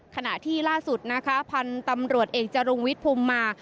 ขณะที่ล่าสุดนะคะพันธุ์ตำรวจเอกจรุงวิทย์ภูมิมา